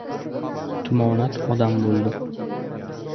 Tumonat odam bo‘ldi.